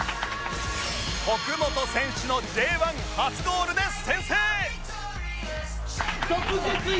徳元選手の Ｊ１ 初ゴールで先制！